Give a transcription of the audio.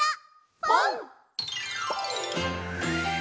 「ぽん」！